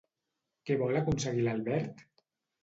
Què vol aconseguir l'Albert?